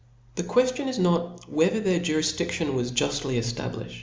The f^ueftion is ftor, whether their jurifdidtion was juftly eftablilhed.